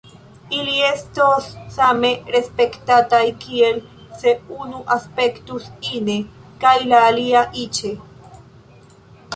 Ili estos same respektataj kiel se unu aspektus ine kaj la alia iĉe.